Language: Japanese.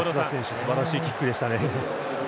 すばらしいキックでしたね。